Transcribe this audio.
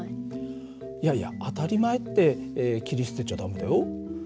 いやいや当たり前って切り捨てちゃ駄目だよ。